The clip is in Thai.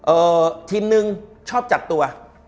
เอ่อทีมนึงชอบจัดตัว